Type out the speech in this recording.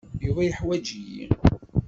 Yuba yeḥwaǧ-iyi.